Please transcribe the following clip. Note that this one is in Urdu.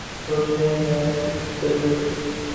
سوچنا ہے ضرور ۔